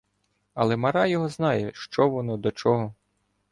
Але мара його знає, що воно до чого.